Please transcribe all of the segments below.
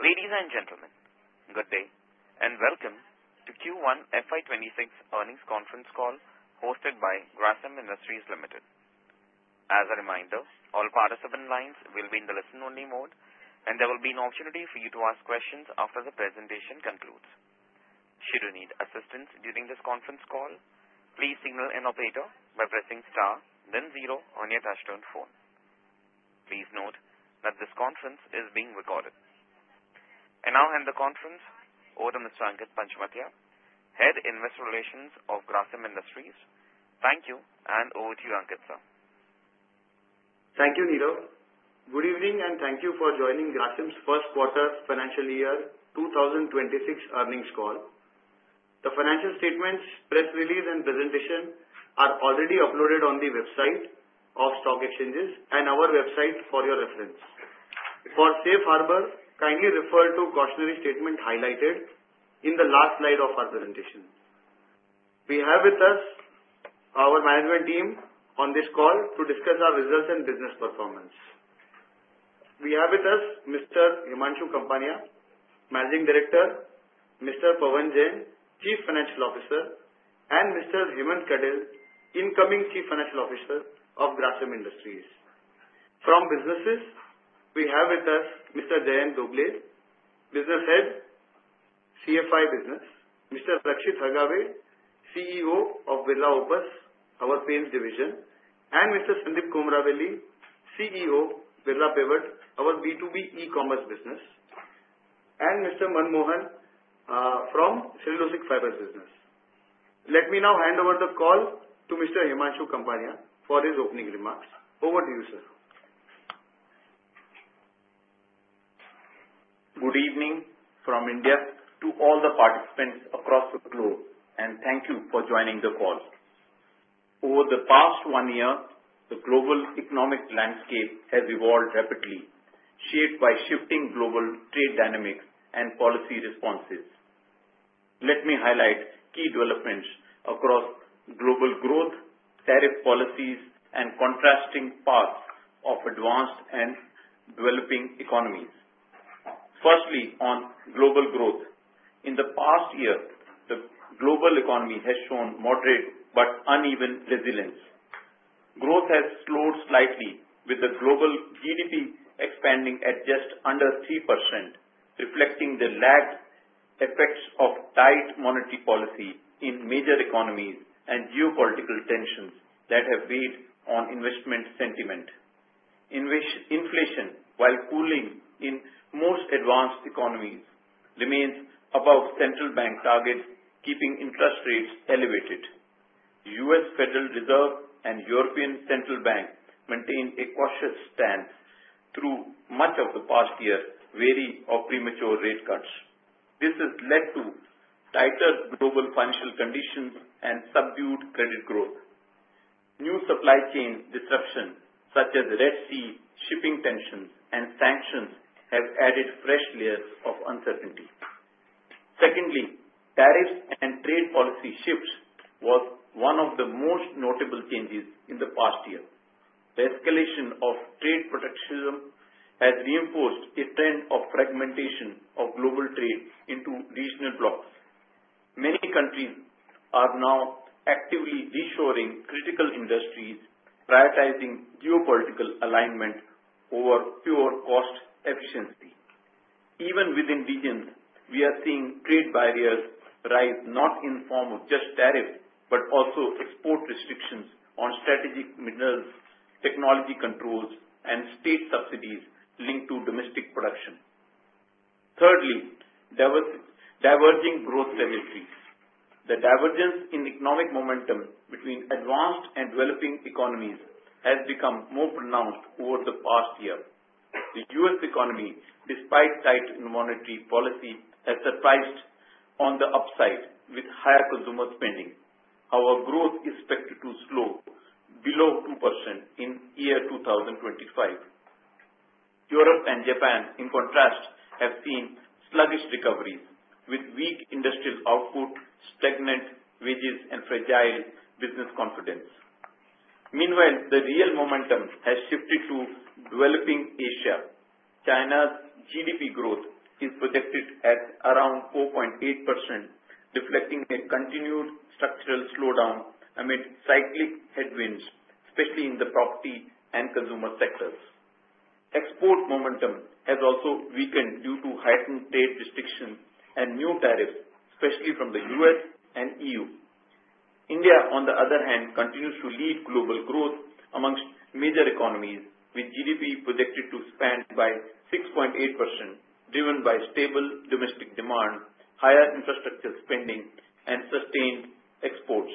Ladies and gentlemen, good day, and welcome to Q1 FY 2026 earnings conference call hosted by Grasim Industries Limited. As a reminder, all participant lines will be in the listen-only mode, and there will be an opportunity for you to ask questions after the presentation concludes. Should you need assistance during this conference call, please signal an Operator by pressing star then zero on your touch-tone phone. Please note that this conference is being recorded. I now hand the conference over to Mr. Ankit Panchmatia, Head of Investor Relations of Grasim Industries. Thank you, and over to you, Ankit. Thank you, Nito. Good evening, and thank you for joining Grasim's first quarter financial year 2026 earnings call. The financial statements, press release, and presentation are already uploaded on the website of stock exchanges and our website for your reference. For safe harbor, kindly refer to the cautionary statement highlighted in the last slide of our presentation. We have with us our management team on this call to discuss our results and business performance. We have with us Mr. Himanshu Kapania, Managing Director; Mr. Pavan Jain, Chief Financial Officer; and Mr. Hemant Kadahil, Incoming Chief Financial Officer of Grasim Industries. From businesses, we have with us Mr. Jayant Dhobley, Business Head, CFI Business; Mr. Rakshit Hargave, CEO of Birla Opus, our Paints Division; and Mr. Sandeep Kumaraveli, CEO of Birla Pivot, our B2B e-commerce business; and Mr. Manmohan, from Cellulosic Fibers Business. Let me now hand over the call to Mr. Himanshu Kapania for his opening remarks. Over to you, sir. Good evening from India to all the participants across the globe, and thank you for joining the call. Over the past one year, the global economic landscape has evolved rapidly, shaped by shifting global trade dynamics and policy responses. Let me highlight key developments across global growth, tariff policies, and contrasting parts of advanced and developing economies. Firstly, on global growth, in the past year, the global economy has shown moderate but uneven resilience. Growth has slowed slightly, with the global GDP expanding at just under 3%, reflecting the lagged effects of tight monetary policy in major economies and geopolitical tensions that have weighed on investment sentiment. Inflation, while cooling in most advanced economies, remains above central bank targets, keeping interest rates elevated. The U.S. Federal Reserve and European Central Bank maintain a cautious stance through much of the past year, wary of premature rate cuts. This has led to tighter global financial conditions and subdued credit growth. New supply chain disruptions, such as the Red Sea shipping tensions and sanctions, have added fresh layers of uncertainty. Secondly, tariffs and trade policy shifts were one of the most notable changes in the past year. The escalation of trade protectionism has reinforced a trend of fragmentation of global trade into regional blocs. Many countries are now actively reassuring critical industries, prioritizing geopolitical alignment over pure cost efficiency. Even within regions, we are seeing trade barriers rise not in the form of just tariffs, but also export restrictions on strategic minerals, technology controls, and state subsidies linked to domestic production. Thirdly, diverging growth tendencies. The divergence in economic momentum between advanced and developing economies has become more pronounced over the past year. The U.S. economy, despite tightening monetary policy, has surprised on the upside, with higher consumer spending. Our growth is expected to slow below 2% in year 2025. Europe and Japan, in contrast, have seen sluggish recoveries, with weak industrial output, stagnant wages, and fragile business confidence. Meanwhile, the real momentum has shifted to developing Asia. China's GDP growth is projected at around 4.8%, reflecting a continued structural slowdown amid cyclic headwinds, especially in the property and consumer sectors. Export momentum has also weakened due to heightened trade restrictions and new tariffs, especially from the U.S. and EU. India, on the other hand, continues to lead global growth amongst major economies, with GDP projected to expand by 6.8%, driven by stable domestic demand, higher infrastructure spending, and sustained exports.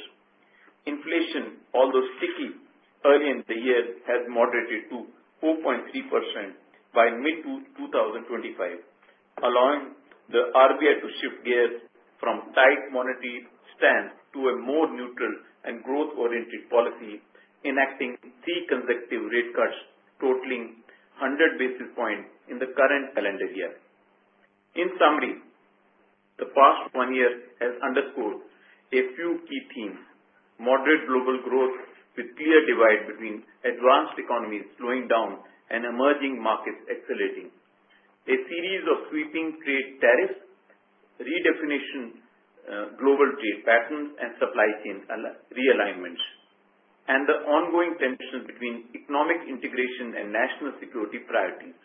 Inflation, although sticky early in the year, has moderated to 4.3% by mid-2025, allowing the RBI to shift gears from tight monetary stance to a more neutral and growth-oriented policy, enacting three consecutive rate cuts, totaling 100 basis points in the current calendar year. In summary, the past one year has underscored a few key themes: moderate global growth, with clear divides between advanced economies slowing down and emerging markets accelerating, a series of sweeping trade tariffs, redefinition of global trade patterns, and supply chain realignments, and the ongoing tensions between economic integration and national security priorities.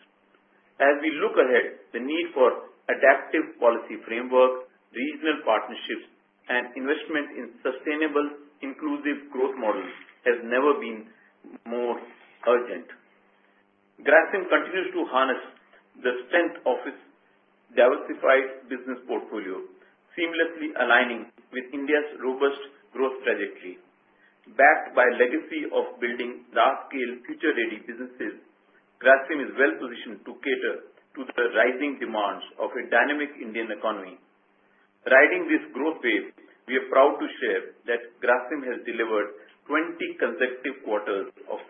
As we look ahead, the need for adaptive policy frameworks, regional partnerships, and investment in sustainable, inclusive growth models has never been more urgent. Grasim Industries continues to harness the strength of its diversified business portfolio, seamlessly aligning with India's robust growth trajectory. Backed by a legacy of building large-scale, future-ready businesses, Grasim Industries is well-positioned to cater to the rising demands of a dynamic Indian economy. Riding this growth wave, we are proud to share that Grasim Industries has delivered 20 consecutive quarters of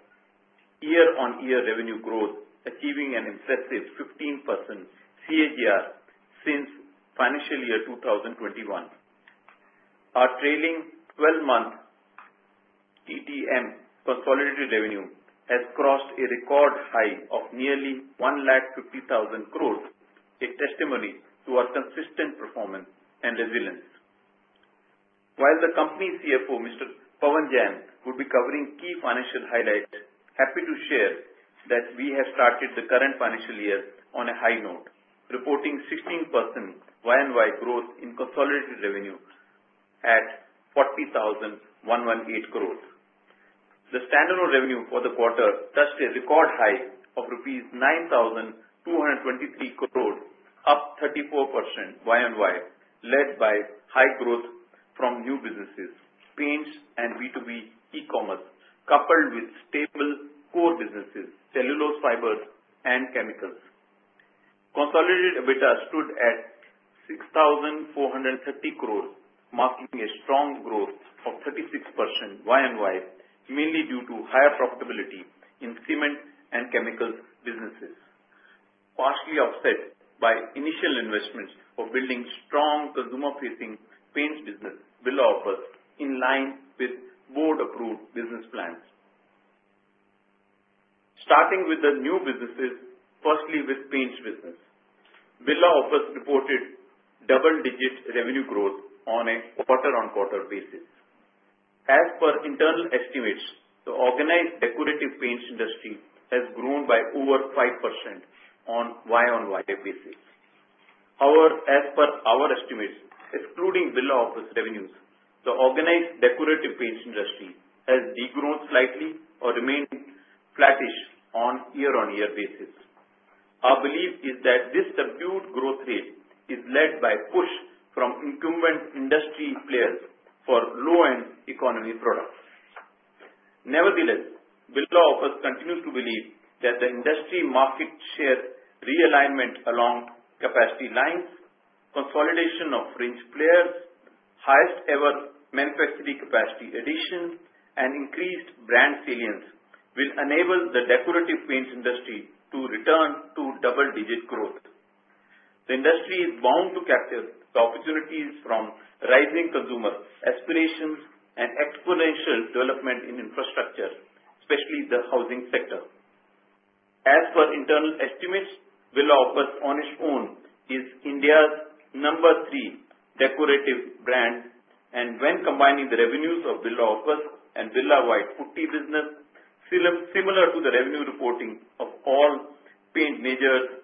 year-on-year revenue growth, achieving an impressive 15% CAGR since financial year 2021. Our trailing 12-month TTM, consolidated revenue, has crossed a record high of nearly 150,000 crore, a testimony to our consistent performance and resilience. While the company's CFO, Mr. Pavan Jain, will be covering key financial highlights, happy to share that we have started the current financial year on a high note, reporting 16% YoY growth in consolidated revenue at 40,118 crore. The standalone revenue for the quarter touched a record high of rupees 9,223 crore, up 34% YoY, led by high growth from new businesses, paint and B2B e-commerce, coupled with staple core businesses, cellulosic fibers, and chemicals. Consolidated EBITDA stood at 6,430 crore, marking a strong growth of 36% YoY, mainly due to higher profitability in cement and chemicals businesses, partially offset by initial investments of building strong consumer-facing paint business, Birla Opus, in line with board-approved business plans. Starting with the new businesses, firstly with paint business, Birla Opus reported double-digit revenue growth on a quarter-on-quarter basis. As per internal estimates, the organized decorative paint industry has grown by over 5% on YoY basis. However, as per our estimates, excluding Birla Opus revenues, the organized decorative paint industry has degrown slightly or remained flattish on a year-on-year basis. Our belief is that this subdued growth rate is led by push from incumbent industry players for low-end economy products. Nevertheless, Birla Opus continues to believe that the industry market share realignment along capacity lines, consolidation of fringe players, highest-ever manufacturing capacity additions, and increased brand salience will enable the decorative paint industry to return to double-digit growth. The industry is bound to capture the opportunities from rising consumer aspirations and exponential development in infrastructure, especially the housing sector. As per internal estimates, Birla Opus, on its own, is India's number three decorative brand, and when combining the revenues of Birla Opus and Birla White's putty business, similar to the revenue reporting of all paint majors,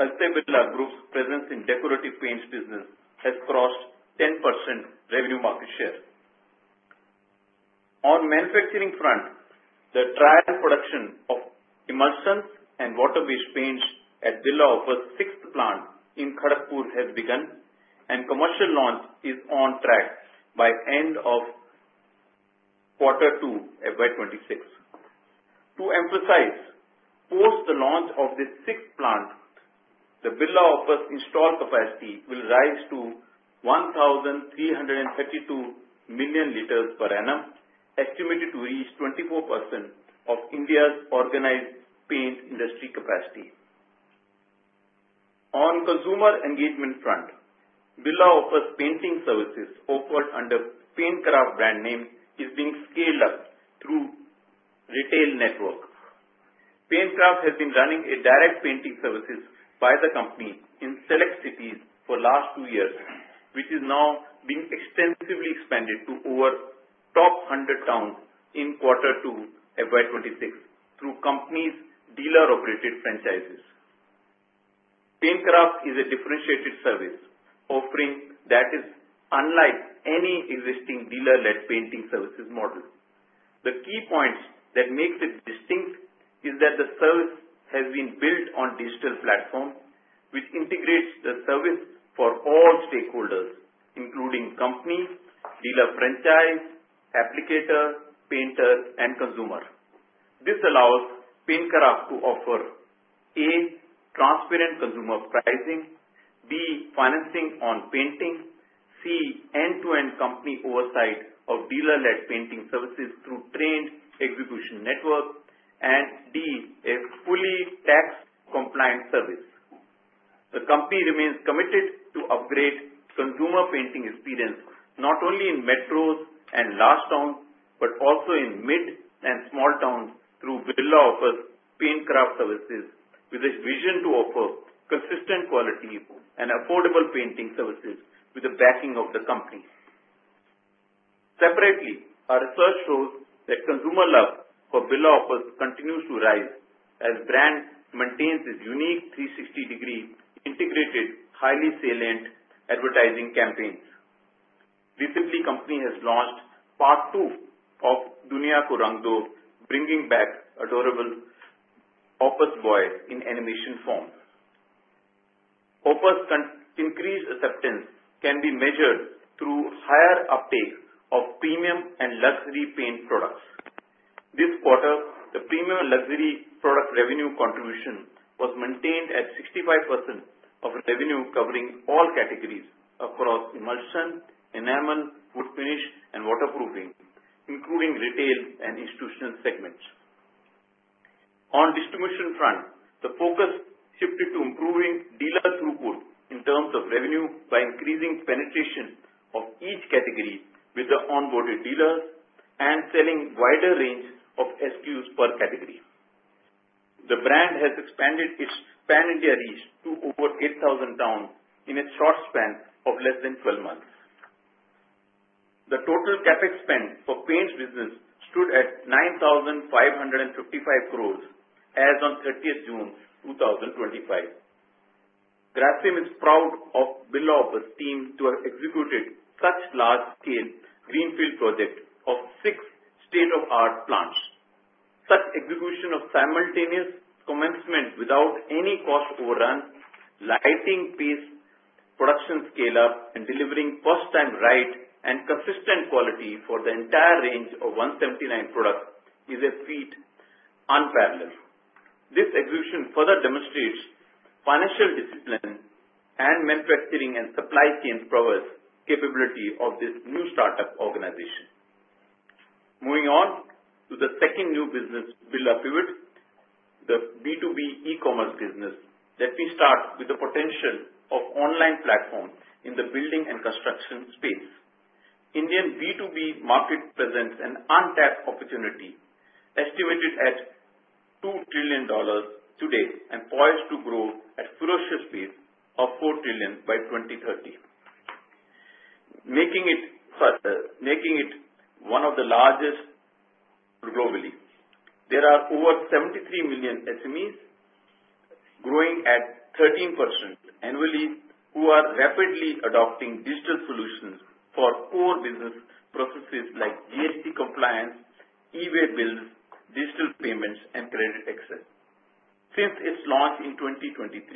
Aditya Birla Group's presence in decorative paint business has crossed 10% revenue market share. On the manufacturing front, the trial production of emulsion and water-based paint at Birla Opus' sixth plant in Kharagpur has begun, and commercial launch is on track by the end of quarter two, FY 2026. To emphasize, post the launch of the sixth plant, the Birla Opus' installed capacity will rise to 1,332 million liters per annum, estimated to reach 24% of India's organized paint industry capacity. On the Consumer Engagement front, Birla Opus' Painting Services offered under PaintCraft brand name is being scaled up through a retail network. PaintCraft has been running direct painting services by the company in select cities for the last two years, which is now being extensively expanded to over the top 100 towns in quarter two, FY 2026, through the company's dealer-operated franchises. PaintCraft is a differentiated service offering that is unlike any existing dealer-led painting services model. The key point that makes it distinct is that the service has been built on a digital platform, which integrates the service for all stakeholders, including companies, dealer franchise, applicator, painter, and consumer. This allows PaintCraft to offer: A, transparent consumer pricing; B, financing on painting; C, end-to-end company oversight of dealer-led painting services through a trained execution network; and D, a fully tax-compliant service. The company remains committed to upgrading consumer painting experience not only in metros and large towns, but also in mid and small towns through Birla Opus PaintCraft services, with a vision to offer consistent quality and affordable painting services with the backing of the company. Separately, our research shows that consumer love for Birla Opus continues to rise as the brand maintains its unique 360-degree integrated, highly salient advertising campaigns. Recently, the company has launched part two of "Duniya Ko Rang Do," bringing back adorable Opus boys in animation form. Opus's increased acceptance can be measured through higher uptake of premium and luxury paint products. This quarter, the premium luxury product revenue contribution was maintained at 65% of revenue, covering all categories across emulsion, enamel, wood finish, and waterproofing, including retail and institutional segments. On the distribution front, the focus shifted to improving dealer throughput in terms of revenue by increasing penetration of each category with the onboarded dealers and selling a wider range of SKUs per category. The brand has expanded its pan-India reach to over 8,000 towns in a short span of less than 12 months. The total CapEx spend for paint business stood at 9,555 crore as of 30th June 2025. Grasim is proud of Birla Opus's team to have executed such a large-scale greenfield project of six state-of-the-art plants. Such execution of simultaneous commencement without any cost overrun, lightning pace, production scale up, and delivering first-time right and consistent quality for the entire range of 179 products is a feat unparalleled. This execution further demonstrates the financial discipline and manufacturing and supply chain prowess capability of this new startup organization. Moving on to the second new business, Birla Pivot, the B2B e-commerce business, let me start with the potential of an online platform in the building and construction space. The Indian B2B market presents an untapped opportunity estimated at $2 trillion today and poised to grow at a ferocious pace to $4 trillion by 2030, making it one of the largest globally. There are over 73 million SMEs growing at 13% annually who are rapidly adopting digital solutions for core business processes like GST compliance, e-way bills, digital payments, and credit excellence. Since its launch in 2023,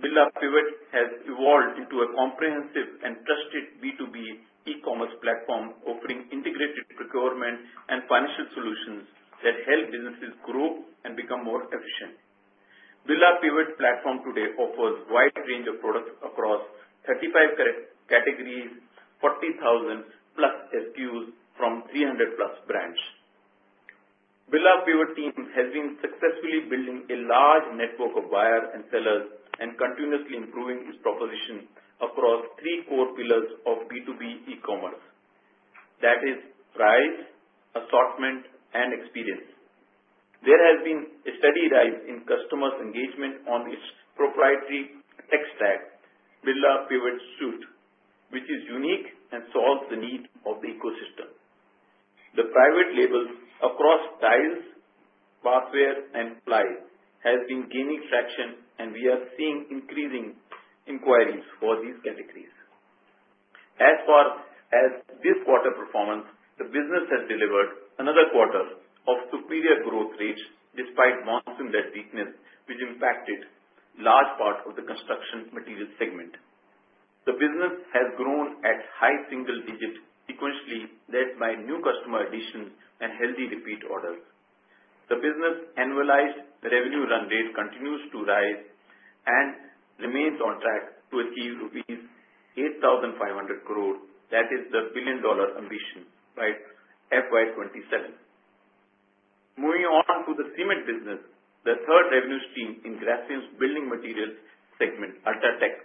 Birla Pivot has evolved into a comprehensive and trusted B2B e-commerce platform offering integrated procurement and financial solutions that help businesses grow and become more efficient. The Birla Pivot platform today offers a wide range of products across 35 categories, 40,000+ SKUs from 300+ brands. The Birla Pivot team has been successfully building a large network of buyers and sellers and continuously improving its proposition across three core pillars of B2B e-commerce: that is price, assortment, and experience. There has been a steady rise in customers' engagement on its proprietary tech stack, Birla Pivot Suite, which is unique and solves the need of the ecosystem. The private label across tiles, barware, and plies has been gaining traction, and we are seeing increasing inquiries for these categories. As far as this quarter's performance, the business has delivered another quarter of superior growth rates despite monsoon-led weakness, which impacted a large part of the construction materials segment. The business has grown at high single digits, sequentially led by new customer additions and healthy repeat orders. The business's annualized revenue run rate continues to rise and remains on track to achieve 8,500 crores rupees, that is the billion-dollar ambition by FY 2027. Moving on to the cement business, the third revenue stream in Grasim's building materials segment, UltraTech,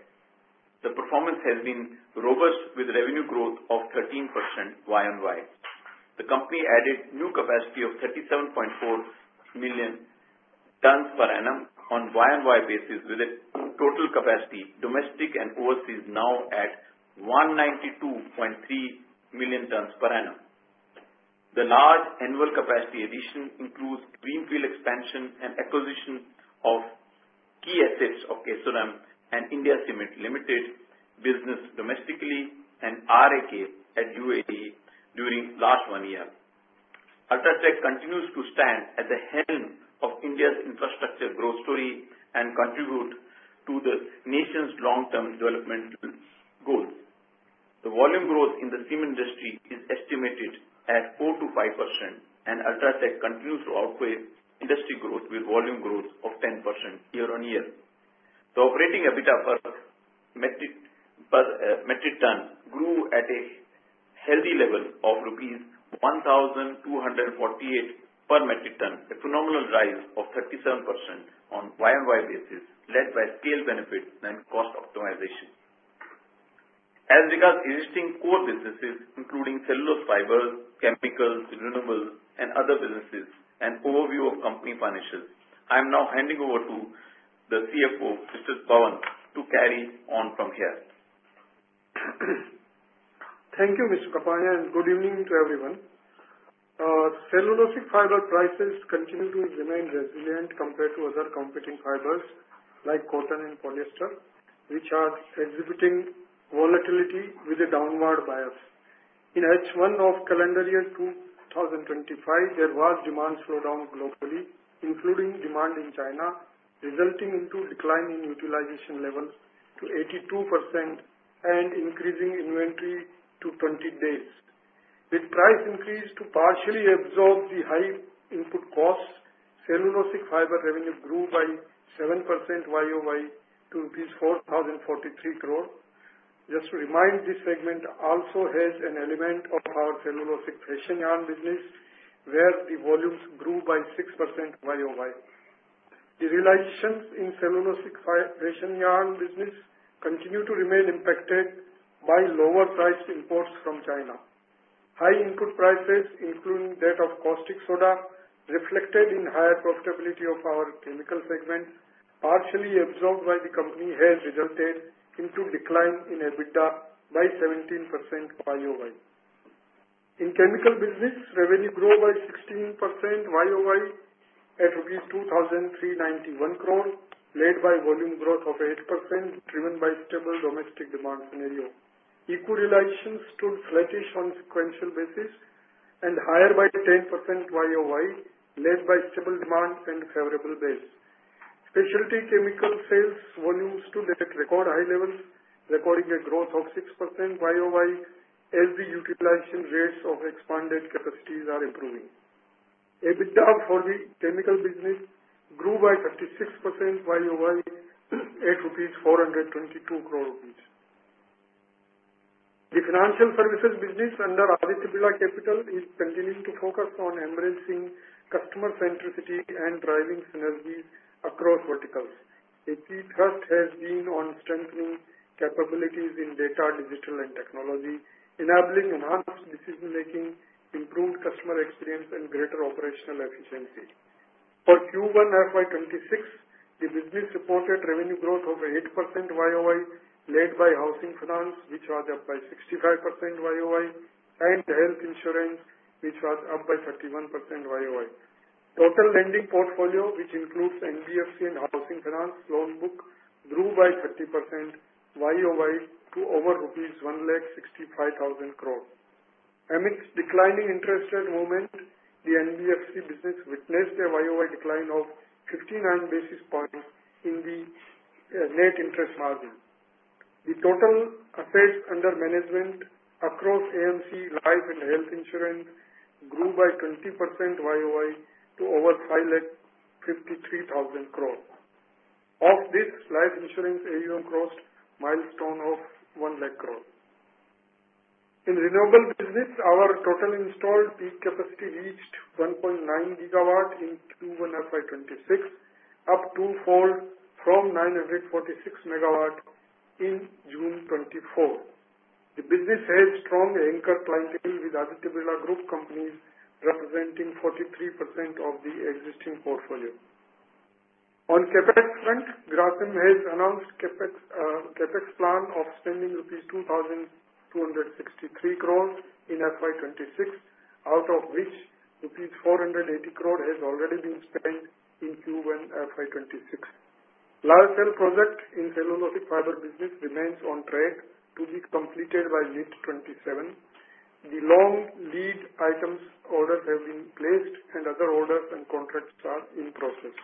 the performance has been robust with revenue growth of 13% year-on-year. The company added new capacity of 37.4 million tons per annum on a year-on-year basis, with a total capacity domestic and overseas now at 192.3 million tons per annum. The large annual capacity addition includes greenfield expansion and acquisition of key assets of Kesoram and India Cement Limited business domestically, and RAK at UAE during the last one year. UltraTech Cement continues to stand at the helm of India's infrastructure growth story and contributes to the nation's long-term development goals. The volume growth in the cement industry is estimated at 4%-5%, and UltraTech continues to outweigh industry growth with volume growth of 10% year-on-year. The operating EBITDA per metric ton grew at a healthy level of rupees 1,248 per metric ton, a phenomenal rise of 37% on a year-on-year basis, led by scale benefits and cost optimization. As regards to existing core businesses, including cellulosic fibers, chemicals, renewables, and other businesses, and an overview of company financials, I am now handing over to the Chief Financial Officer, Mr. Pavan, to carry on from here. Thank you, Mr. Kapania, and good evening to everyone. Cellulosic fiber prices continue to remain resilient compared to other competing fibers like cotton and polyester, which are exhibiting volatility with a downward bias. In H1 of calendar year 2025, there was a demand slowdown globally, including demand in China, resulting in a decline in utilization levels to 82% and increasing inventory to 20 days. With price increases to partially absorb the high input costs, cellulosic fiber revenue grew by 7% YoY to rupees 4,043 crore. Just to remind, this segment also has an element of our cellulosic fashion yarn business, where the volumes grew by 6% YoY. The realizations in the cellulosic fashion yarn business continue to remain impacted by lower-priced imports from China. High input prices, including that of caustic soda, reflected in higher profitability of our chemical segment, partially absorbed by the company, has resulted in a decline in EBITDA by 17% YoY. In the chemical business, revenue grew by 16% YoY at 2,391 crore, led by a volume growth of 8% driven by a stable domestic demand scenario. Equity realizations stood flattish on a sequential basis and higher by 10% YoY, led by a stable demand and favorable balance. Specialty Chemical sales volumes stood at record high levels, recording a growth of 6% YoY as the utilization rates of expanded capacities are improving. EBITDA for the chemical business grew by 36% YoY to 8,422 crore rupees. The financial services business under Aditya Birla Capital is continuing to focus on embracing customer centricity and driving synergy across verticals. A key thrust has been on strengthening capabilities in data, digital, and technology, enabling enhanced decision-making, improved customer experience, and greater operational efficiency. For Q1 FY 2026, the business reported revenue growth of 8% YoY, led by housing finance, which was up by 65% YoY, and health insurance, which was up by 31% YoY. The total lending portfolio, which includes NBFC and Housing Finance loan book, grew by 30% YoY to over rupees 1,065,000 crore. Amidst declining interest rate movements, the NBFC business witnessed a YoY decline of 59 basis points in the net interest margin. The total assets under management across AMC Life and Health Insurance grew by 20% YoY to over 5,053,000 crore. Of this, Life Insurance AUM crossed a milestone of 1 lakh crore. In the renewable business, our total installed peak capacity reached 1.9 GW in Q1 FY 2026, up twofold from 946 MW in June 2024. The business has strong anchored clientele with Aditya Birla Group companies representing 43% of the existing portfolio. On the CapEx front, Grasim Industries has announced a CapEx plan of spending rupees 2,263 crore in FY 2026, out of which rupees 480 crore has already been spent in Q1 FY 2026. Lyocell project in the Cellulosic Fiber business remains on track to be completed by late 2027. The long lead items orders have been placed, and other orders and contracts are in process.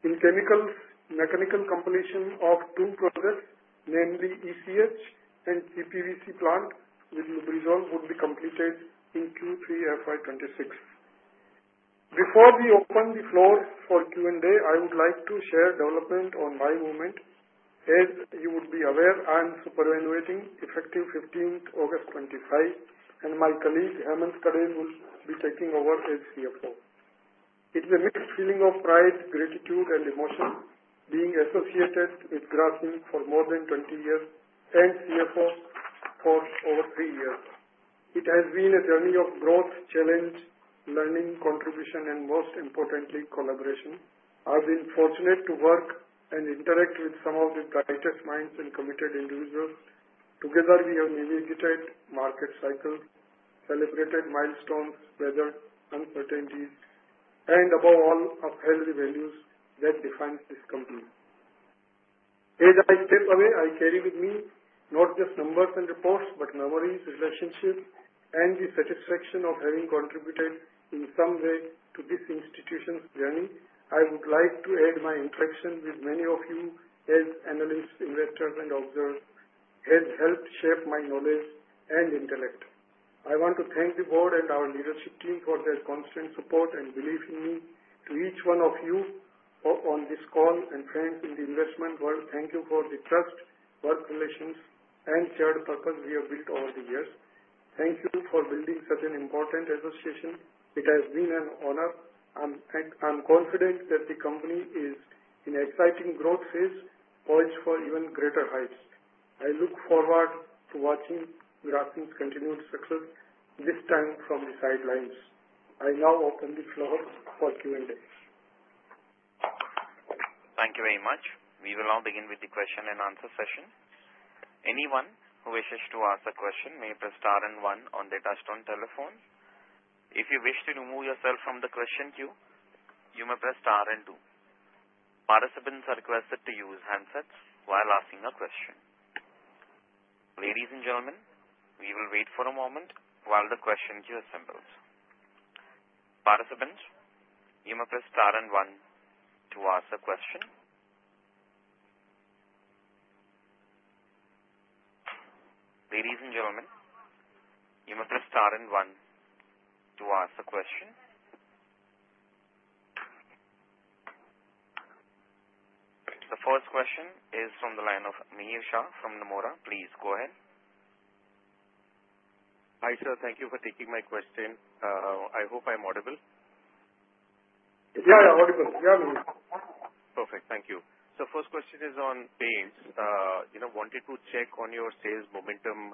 In chemicals, the mechanical completion of two projects, namely ECH and CPVC plant, with Lubrizol, will be completed in Q3 FY 2026. Before we open the floors for Q&A, I would like to share developments on my movement. As you would be aware, I'm superannuating effective 15th August, 2025, and my colleague, Hemant Kadel, will be taking over as CFO. It's a mixed feeling of pride, gratitude, and emotion being associated with Grasim for more than 20 years and CFO for over three years. It has been a journey of growth, challenge, learning, contribution, and most importantly, collaboration. I've been fortunate to work and interact with some of the brightest minds and committed individuals. Together, we have navigated market cycles, celebrated milestones, weathered uncertainties, and above all, upheld the values that define this company. As I step away, I carry with me not just numbers and reports, but memories, relationships, and the satisfaction of having contributed in some way to this institution's journey. I would like to add my inflection with many of you as analysts, investors, and observers, as you help shape my knowledge and intellect. I want to thank the board and our leadership team for their constant support and belief in me. To each one of you on this call and friends in the investment world, thank you for the trust, work relations, and shared purpose we have built over the years. Thank you for building such an important association. It has been an honor. I'm confident that the company is in an exciting growth phase, poised for even greater heights. I look forward to watching Grasim Industries' continued success, this time from the sidelines. I now open the floors for Q&A. Thank you very much. We will now begin with the question-and-answer session. Anyone who wishes to ask a question may press star and one on their touch-tone telephone. If you wish to remove yourself from the question queue, you may press star and two. Participants are requested to use handsets while asking a question. Ladies and gentlemen, we will wait for a moment while the question queue assembles. Participants, you may press star and one to ask a question. Ladies and gentlemen, you may press star and one to ask a question. The first question is from the line of Mihir Shah from Nomura. Please go ahead. Hi, sir. Thank you for taking my question. I hope I'm audible. Yes, you are audible. You are moving. Perfect. Thank you. The first question is on sales. I wanted to check on your sales momentum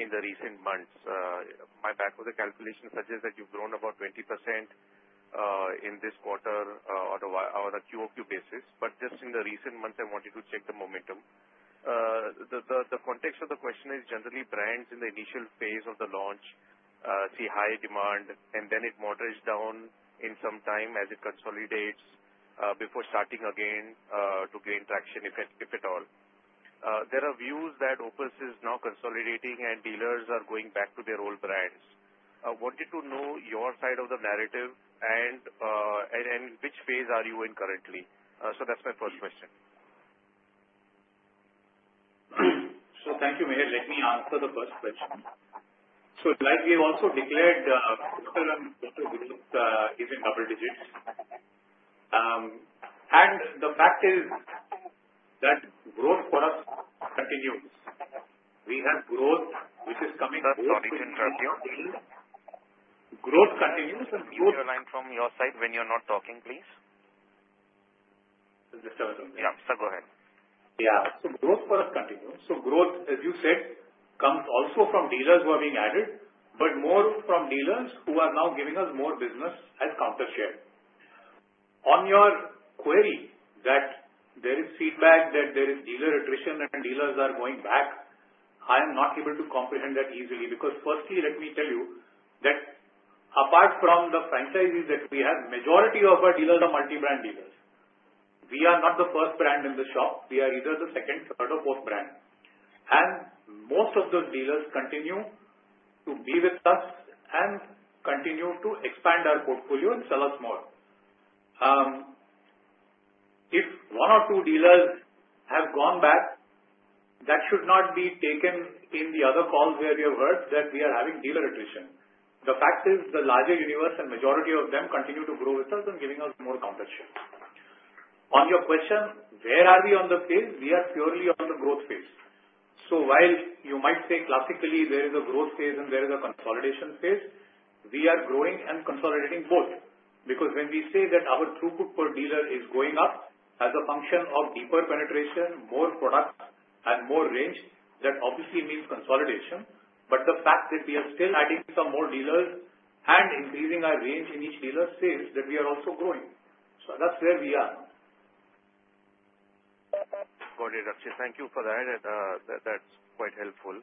in the recent months. My back of the calculation suggests that you've grown about 20% in this quarter on a QoQ basis. Just in the recent months, I wanted to check the momentum. The context of the question is generally brands in the initial phase of the launch see high demand, and then it moderates down in some time as it consolidates before starting again to gain traction, if at all. There are views that Opus is now consolidating and dealers are going back to their old brands. I wanted to know your side of the narrative and in which phase are you in currently. That's my first question. Thank you, Mihir. Let me answer the first question. As we also declared, quarter-on-quarter is in double digits. The fact is that growth for us continues. We have growth, which is coming from. Sorry to interrupt you. Growth continues and growth. Can you explain from your side when you're not talking, please? Yeah, sir, go ahead. Yeah. Growth for us continues. Growth, as you said, comes also from dealers who are being added, but more from dealers who are now giving us more business as countershare. On your query that there is feedback that there is dealer attrition and dealers are going back, I am not able to comprehend that easily because, firstly, let me tell you that apart from the franchises that we have, the majority of our dealers are multi-brand dealers. We are not the first brand in the shop. We are either the second, third, or fourth brand. Most of those dealers continue to be with us and continue to expand our portfolio and sell us more. If one or two dealers have gone back, that should not be taken in the other calls where we have heard that we are having dealer attrition. The fact is the larger universe and the majority of them continue to grow with us and giving us more countershares. On your question, where are we on the phase? We are purely on the growth phase. While you might say classically there is a growth phase and there is a consolidation phase, we are growing and consolidating both because when we say that our throughput per dealer is going up as a function of deeper penetration, more product, and more range, that obviously means consolidation. The fact that we are still adding some more dealers and increasing our range in each dealer says that we are also growing. That's where we are. Got it, Rakshit. Thank you for that. That's quite helpful.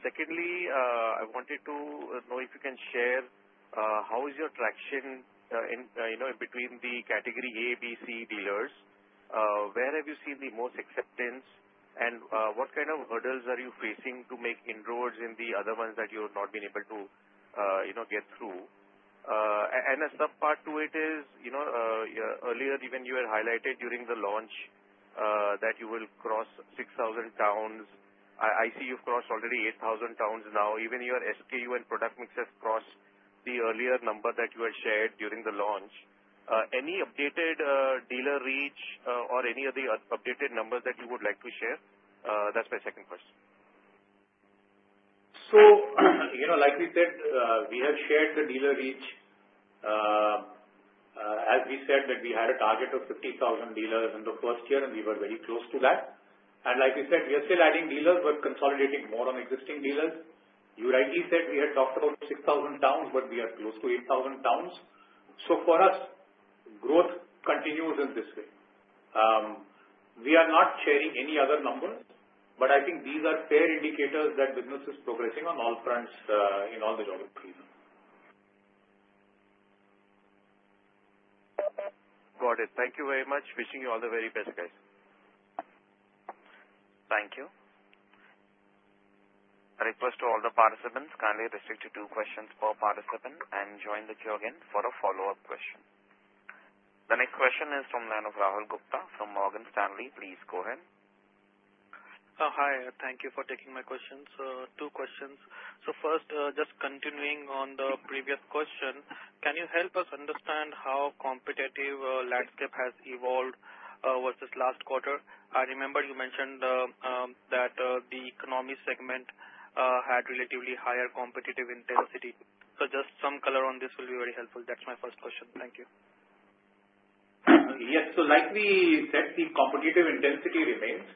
Secondly, I wanted to know if you can share how is your traction in between the category A, B, C dealers? Where have you seen the most acceptance, and what kind of hurdles are you facing to make inroads in the other ones that you have not been able to get through? A subpart to it is, you know, earlier even you had highlighted during the launch that you will cross 6,000 towns. I see you've crossed already 8,000 towns now. Even your SKU and product mix has crossed the earlier number that you had shared during the launch. Any updated dealer reach or any of the updated numbers that you would like to share? That's my second question. As we said, we had shared the dealer reach. We had a target of 50,000 dealers in the first year, and we were very close to that. Like I said, we are still adding dealers but consolidating more on existing dealers. You rightly said we had talked about 6,000 towns, but we are close to 8,000 towns. For us, growth continues in this way. We are not sharing any other numbers, but I think these are fair indicators that business is progressing on all fronts in all the geographies. Got it. Thank you very much. Wishing you all the very best, guys. Thank you. A request to all the participants, kindly restrict to two questions per participant and join the queue again for a follow-up question. The next question is from the line of Rahul Gupta from Morgan Stanley. Please go ahead. Hi. Thank you for taking my questions. Two questions. First, just continuing on the previous question, can you help us understand how the competitive landscape has evolved versus last quarter? I remember you mentioned that the economy segment had relatively higher competitive intensity. Just some color on this will be very helpful. That's my first question. Thank you. Yes. Like we said, the competitive intensity remains.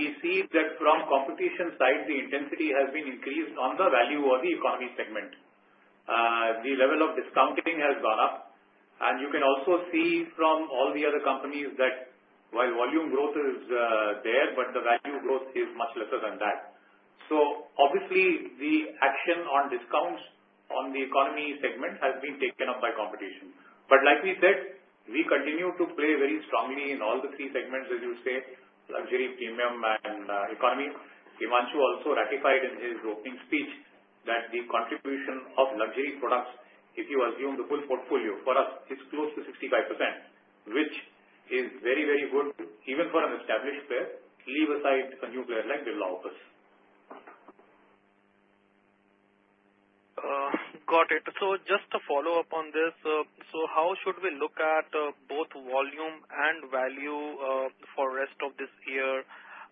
We see that from the competition side, the intensity has increased on the value or the economy segment. The level of discounting has gone up. You can also see from all the other companies that while volume growth is there, the value growth is much lesser than that. Obviously, the action on discounts on the economy segment has been taken up by competition. Like we said, we continue to play very strongly in all the three segments, as you say, luxury, premium, and economy. Himanshu also ratified in his opening speech that the contribution of luxury products, if you assume the full portfolio, for us is close to 65%, which is very, very good, even for an established player, leave aside a new player like Birla Opus. Got it. Just to follow up on this, how should we look at both volume and value for the rest of this year?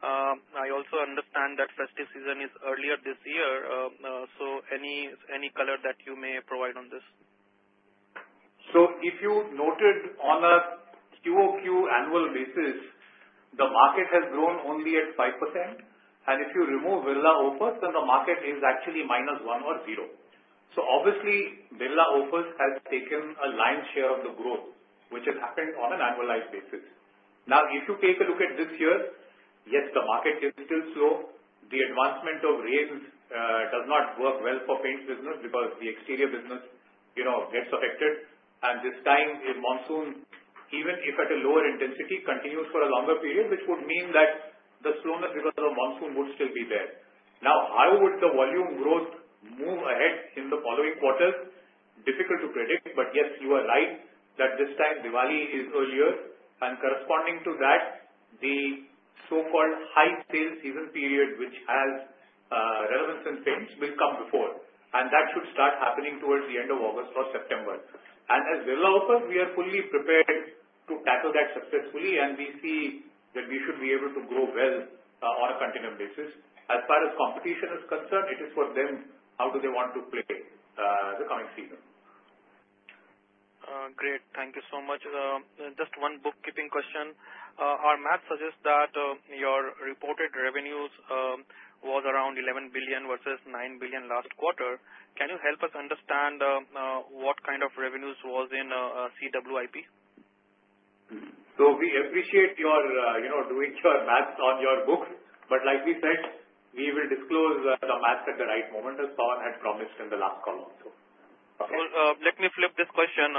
I also understand that festive season is earlier this year. Any color that you may provide on this? If you noted on a QoQ annual basis, the market has grown only at 5%. If you remove Birla Opus, then the market is actually minus one or zero. Obviously, Birla Opus has taken a lion's share of the growth, which has happened on an annualized basis. If you take a look at this year, yes, the market is a little slow. The advancement of rains does not work well for paint business because the exterior business, you know, gets affected. This time, the monsoon, even if at a lower intensity, continues for a longer period, which would mean that the slowness because of the monsoon would still be there. How would the volume growth move ahead in the following quarter? Difficult to predict, but yes, you are right that this time Diwali is earlier. Corresponding to that, the so-called high sales season period, which has relevance since then, will come before. That should start happening towards the end of August or September. As Birla Opus, we are fully prepared to tackle that successfully, and we see that we should be able to grow well on a continued basis. As far as competition is concerned, it is for them how do they want to play the coming season. Great. Thank you so much. Just one bookkeeping question. Our math suggests that your reported revenues were around 11 billion versus 9 billion last quarter. Can you help us understand what kind of revenues were in CWIP? We appreciate your, you know, doing your maths on your book. Like we said, we will disclose the math at the right moment, as Pavan had promised in the last call also. Let me flip this question.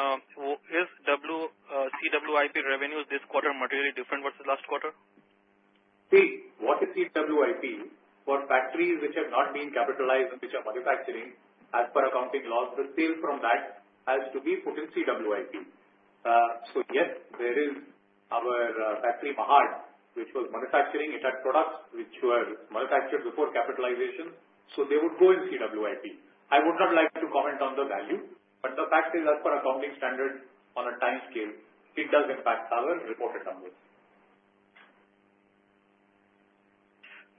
Is CWIP revenues this quarter materially different versus last quarter? See, what is CWIP? For factories which have not been capitalized and which are manufacturing, as per accounting laws, the sales from that has to be put in CWIP. Yes, there is our factory Mahad, which was manufacturing. It had products which were manufactured before capitalization, so they would go in CWIP. I would not like to comment on the value, but the fact is, as per accounting standards, on a time scale, it does impact our reported numbers.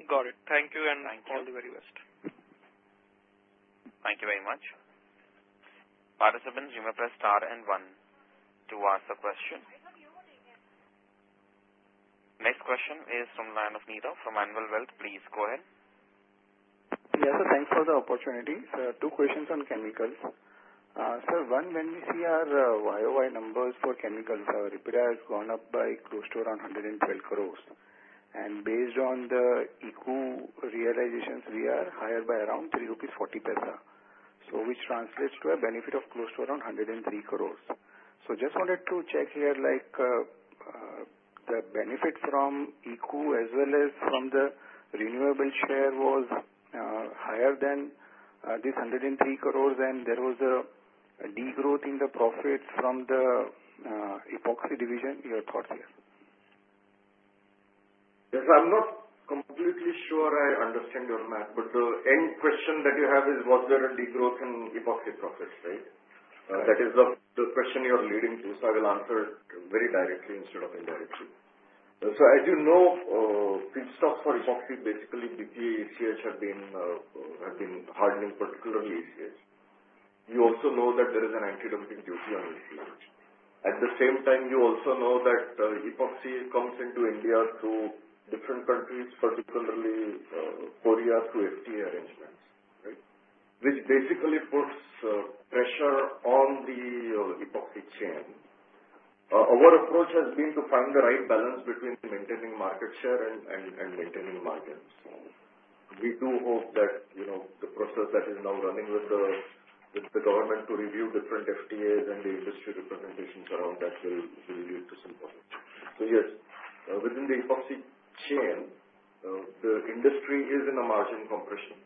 Got it. Thank you and all the very best. Thank you very much. Participants, you may press star and one to ask a question. Next question is from the line of Nirav from Anvil Wealth. Please go ahead. Yes, sir. Thanks for the opportunity. Sir, two questions on chemicals. One, when we see our YoY numbers for chemicals, EBITDA has gone up by close to around 112 crore. Based on the ECU realizations, we are higher by around 3.40 rupees, which translates to a benefit of close to around 103 crore. I just wanted to check here if the benefit from ECU as well as from the renewable share was higher than this 103 crore, and there was a degrowth in the profits from the epoxy division. Your thoughts here. Yes, sir. I'm not completely sure I understand your math, but the end question that you have is what's the degrowth in epoxy profits, right? That is the question you're leading to, so I will answer very directly instead of indirectly. As you know, feedstocks for epoxy, basically BPA, ECH, have been hardening, particularly ACH. You also know that there is an anti-dumping duty on ECH. At the same time, you also know that epoxy comes into ECH through different countries, particularly Korea through FTA arrangements, which basically puts pressure on the epoxy chain. Our approach has been to find the right balance between maintaining market share and maintaining the margins. We do hope that the process that is now running with the government to review different FTAs and the industry representations around that will lead to some positive. Yes, within the epoxy chain, the industry is in a margin compression,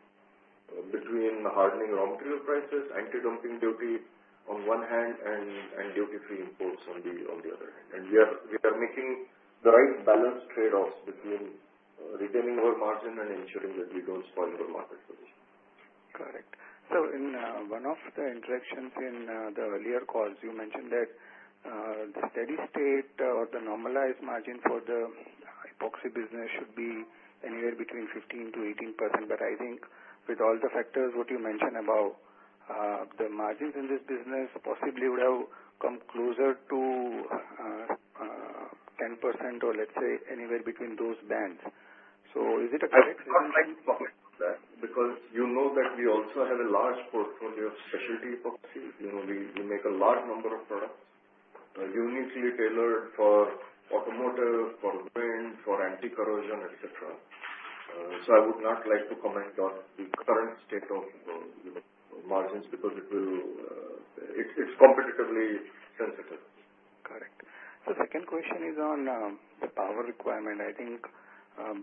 between hardening raw material prices, anti-dumping duty on one hand, and duty-free imports on the other hand. We are making the right balance trade-offs between retaining our margin and ensuring that we don't spoil the market. Correct. In one of the interactions in the earlier calls, you mentioned that the steady state or the normalized margin for the epoxy business should be anywhere between 15%-18%. I think with all the factors you mentioned about, the margins in this business possibly would have come closer to 10% or let's say anywhere between those bands. Is it a perfect? I'm not making comments on that because you know that we also have a large portfolio of specialty epoxy. We make a large number of products, uniquely tailored for automotive, for wind, for anti-corrosion, etc. I would not like to comment on the current state of margins because it's competitively sensitive. Correct. The second question is on power requirement. I think,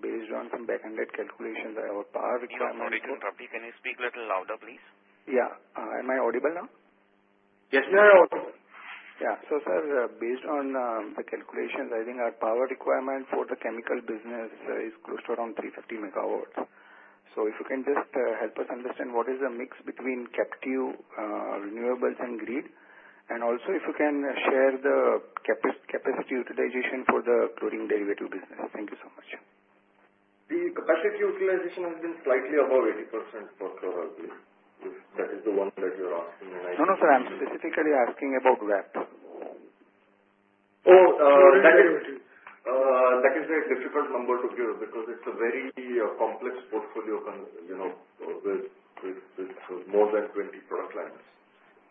based on some back-end calculations, our power requirements. Sorry to interrupt you. Can you speak a little louder, please? Am I audible now? Yes, we are audible. Yeah. Sir, based on the calculations, I think our power requirement for the chemical business is close to around 350 MW. If you can just help us understand what is the mix between captive renewables and grid, and also if you can share the capacity utilization for the chlorine derivative business. Thank you so much. The capacity utilization has been slightly above 80% for chlor-alkali. That is the one that you're asking me. No, sir. I'm specifically asking about VAP. Oh, definitely. That is a difficult number to give because it's a very complex portfolio, with more than 20 product lines.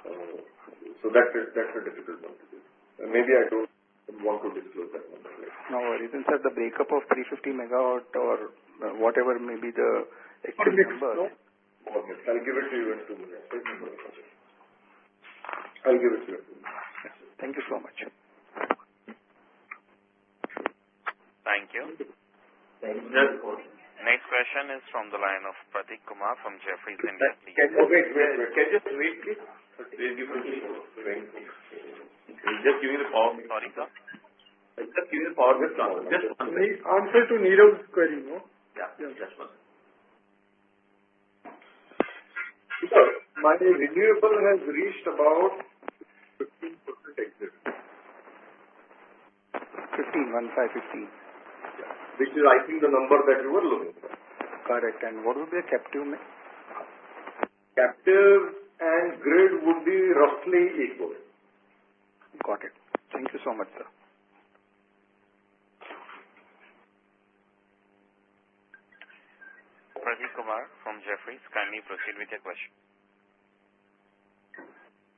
That is a difficult number to give. Maybe I don't want to disclose that one either. No worries. Instead, the breakup of 350 MW or whatever may be. It's a big size. I'll give it to you soon. Thank you. Thank you. Next question is from the line of Prateek Kumar from Jefferies India. Can you please just give me the power? Sorry, sir. Just give me the power. Answer to Nita's query, no? Yeah. My renewables has reached about 15%. 15, 155. Which is, I think, the number that you were looking for. Got it. What would be a CapEx? Captive and grid would be roughly equal. Got it. Thank you so much, sir. Prateek Kumar from Jefferies. Can you proceed with your question?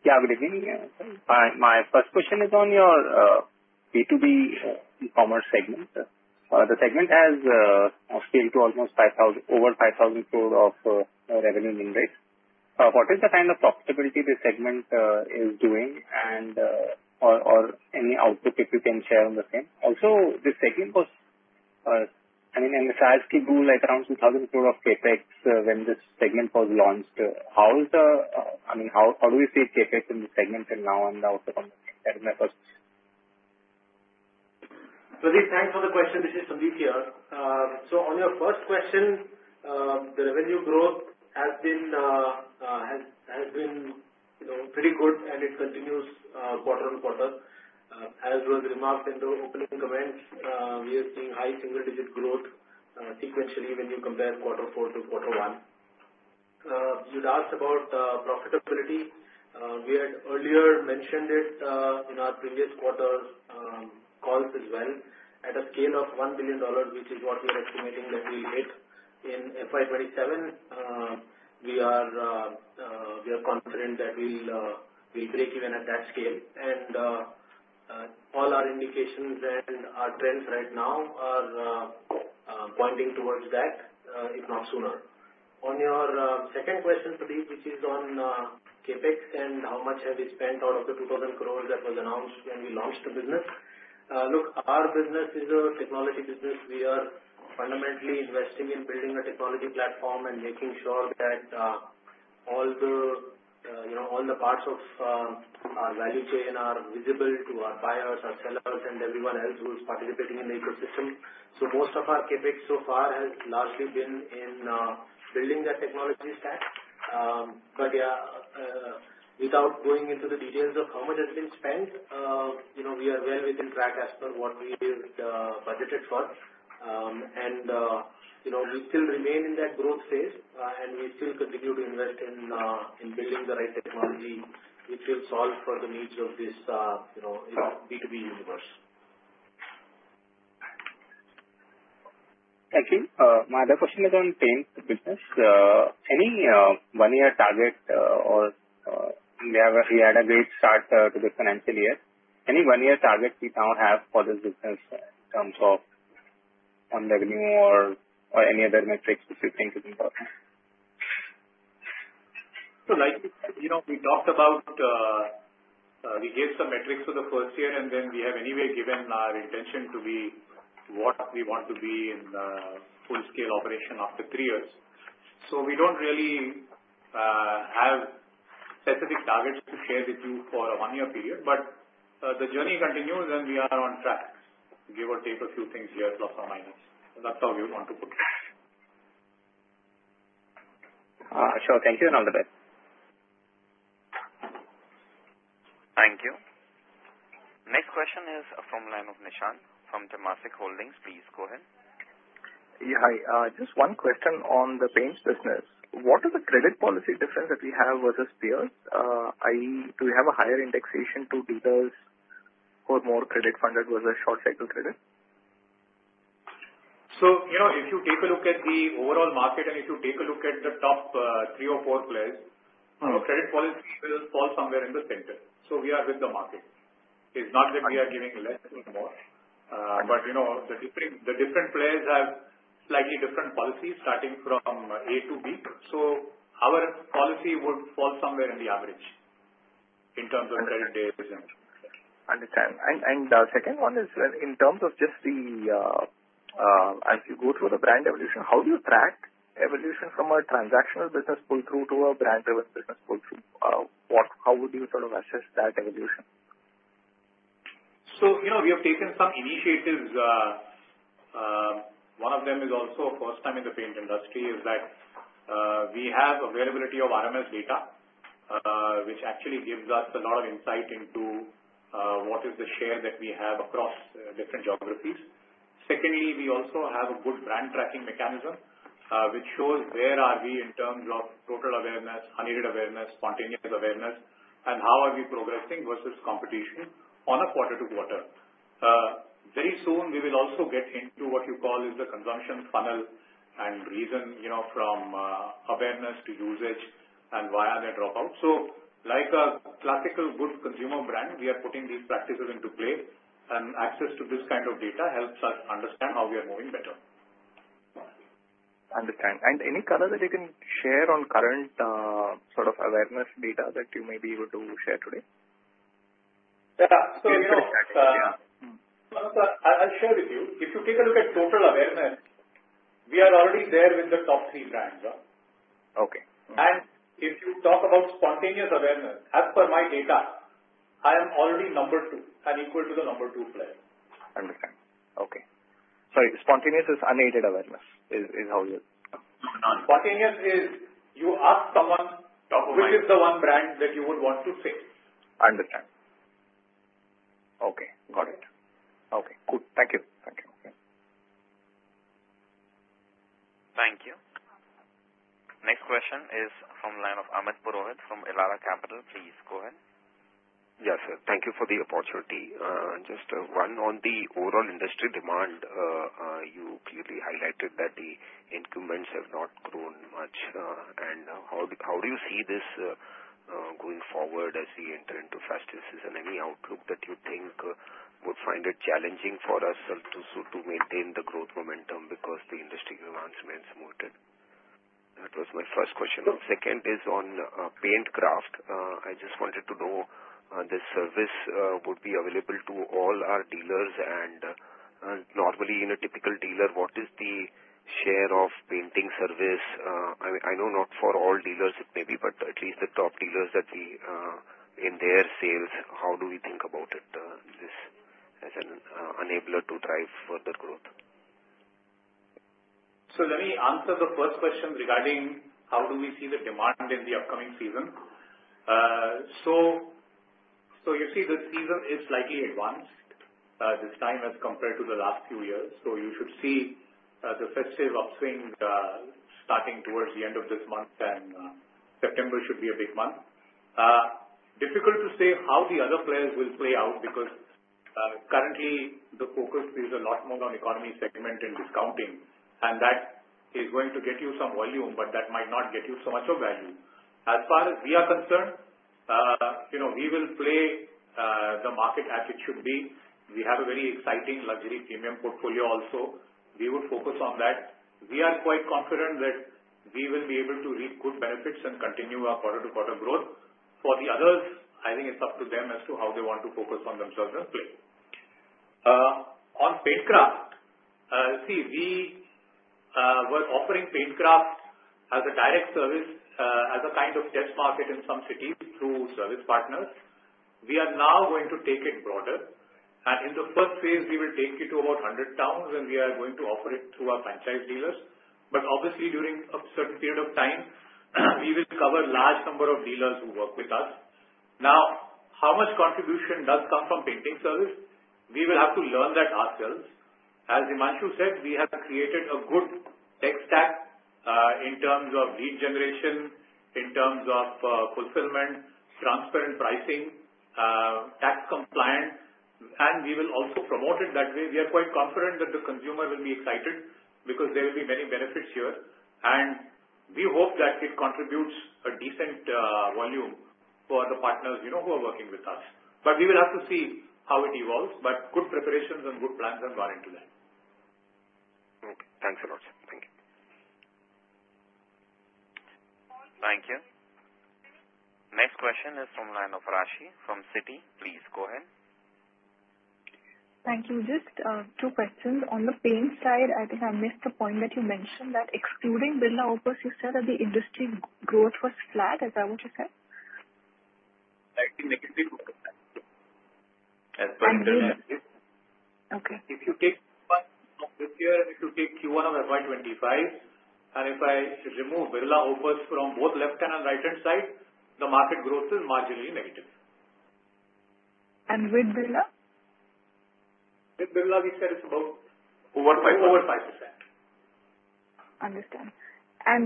Yeah, everything. My first question is on your B2B e-commerce segment. The segment has scaled to almost 5,000, over 5,000 crores of revenue in invent. What is the kind of profitability this segment is doing? Are there any outputs if you can share on the same? Also, this segment was, I mean, the sales keep grew like around some thousand crores of paychecks when this segment was launched. How is the, I mean, how do we see it shifted in the segment and now on the output? Thanks for the question. This is Sandeep here. On your first question, the revenue growth has been pretty good, and it continues quarter on quarter. As was remarked in the opening comments, we are seeing high single-digit growth sequentially when you compare quarter four to quarter one. You'd asked about profitability. We had earlier mentioned it in our previous quarter calls as well. At a scale of $1 billion, which is what we are estimating that we'll hit in FY 2027, we are confident that we'll break even at that scale. All our indications and our trends right now are pointing towards that, if not sooner. On your second question, Prateek, which is on CapEx and how much have we spent out of the 2,000 crore that was announced when we launched the business, our business is a technology business. We are fundamentally investing in building a technology platform and making sure that all the parts of our value chain are visible to our buyers, our sellers, and everyone else who's participating in the ecosystem. Most of our CapEx so far has largely been in building that technology stack. Without going into the details of how much has been spent, we are well within track as per what we budgeted for. We still remain in that growth phase, and we still continue to invest in building the right technology which will solve for the needs of this B2B universe. Thank you. My other question is on paint business. Any one-year target or we have a few annual grades start to the financial year. Any one-year target we now have for this business in terms of on revenue or any other metrics specifically? Like you know, we talked about we gave some metrics for the first year, and then we have anyway given our intention to be what we want to be in the full-scale operation after three years. We don't really have specific targets to share with you for a one-year period, but the journey continues, and we are on track, give or take a few things here, plus or minus. That's how we would want to put it. Sure. Thank you and all the best. Thank you. Next question is from the line of Nishant from Temasek Holdings. Please go ahead. Yeah, hi. Just one question on the paint business. What are the credit policy differences that we have versus peers? I.e., do we have a higher indexation to dealers who are more credit-funded versus short-cycle credit? If you take a look at the overall market and if you take a look at the top three or four players, credit falls somewhere in the center. We are with the market. It's not that we are giving less or more, but the different players have slightly different policies starting from A to B. Our policy would fall somewhere in the average in terms of credit basis. The second one is in terms of just the, as you go through the brand evolution, how do you track evolution from a transactional business pull-through to a brand-driven business pull-through? How would you sort of assess that evolution? We have taken some initiatives. One of them is also a first time in the paint industry: we have availability of RMS data, which actually gives us a lot of insight into what is the share that we have across different geographies. Secondly, we also have a good brand tracking mechanism, which shows where we are in terms of total awareness, unneeded awareness, spontaneous awareness, and how we are progressing versus competition on a quarter to quarter. Very soon, we will also get into what you call the consumption funnel and reason, you know, from awareness to usage and why there are dropouts. Like a classical good consumer brand, we are putting these practices into play, and access to this kind of data helps us understand how we are moving better. Understand. Is there any color that you can share on current sort of awareness data that you may be able to share today? Yeah. I'll share with you. If you take a look at total awareness, we are already there with the top three brands. If you talk about spontaneous awareness, as per my data, I am already number two and equal to the number two player. Understand. Okay. Sorry. Spontaneous is unaided awareness. Spontaneous is you ask someone, which is the one brand that you would want to say? Understand. Okay. Got it. Okay. Thank you. Thank you. Thank you. Next question is from the line of Amir Purohit from Elara Capital. Please go ahead. Yes, sir. Thank you for the opportunity. Just one on the overall industry demand. You clearly highlighted that the increments have not grown much. How do you see this going forward as we enter into the festive season? Any outlook that you think would find it challenging for us to maintain the growth momentum because the industry demands may be smoother? That was my first question. The second is on PaintCraft. I just wanted to know if this service would be available to all our dealers. Normally, in a typical dealer, what is the share of painting service? I mean, I know not for all dealers it may be, but at least the top dealers that we, in their sales, how do we think about it? This as an enabler to drive further growth. Let me answer the first question regarding how we see the demand in the upcoming season. The season is slightly advanced this time as compared to the last few years. You should see the festive upswing starting towards the end of this month, and September should be a big month. It is difficult to say how the other plans will play out because currently, the focus is a lot more on the economy segment and discounting. That is going to get you some volume, but that might not get you so much value. As far as we are concerned, we will play the market as it should be. We have a very exciting luxury premium portfolio also. We would focus on that. We are quite confident that we will be able to reap good benefits and continue our quarter-to-quarter growth. For the others, I think it's up to them as to how they want to focus on themselves and play. On PaintCraft, we were offering PaintCraft as a direct service, as a kind of test market in some cities through service partners. We are now going to take it broader. In the first phase, we will take you to about 100 towns, and we are going to offer it through our franchise dealers. Obviously, during a certain period of time, we will cover a large number of dealers who work with us. Now, how much contribution does come from painting service? We will have to learn that ourselves. As Himanshu said, we have created a good tech stack in terms of lead generation, in terms of fulfillment, transparent pricing, tax compliance, and we will also promote it that way. We are quite confident that the consumer will be excited because there will be many benefits here. We hope that it contributes a decent volume for the partners who are working with us. We will have to see how it evolves. Good preparations and good plans are warranted today. Okay. Thanks a lot. Thank you. Thank you. Next question is from the line of Rashi from Citi. Please go ahead. Thank you. Just two questions. On the paint side, I think I missed the point that you mentioned that excluding Birla Opus, you said that the industry growth was flat, is that what you said? If you take Q1 of FY 2025 and if I remove Birla Opus from both left-hand and right-hand side, the market growth is marginally negative. With Birla? With Birla, we said it's above over 5%.